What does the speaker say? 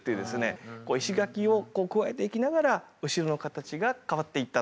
石垣をこう加えていきながらお城の形が変わっていったと。